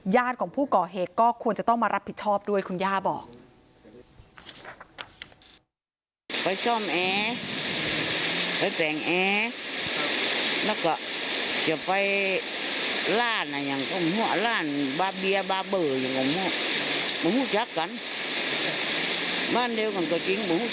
ของผู้ก่อเหตุก็ควรจะต้องมารับผิดชอบด้วยคุณย่าบอก